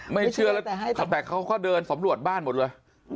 ไม่เชื่อแล้วแต่เขาก็เดินสำรวจบ้านหมดเลย